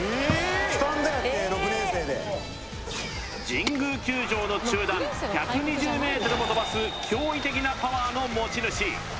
スタンドやって６年生で神宮球場の中段１２０ｍもとばす驚異的なパワーの持ち主